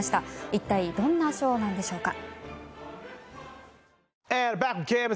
一体どんな賞なんでしょうか。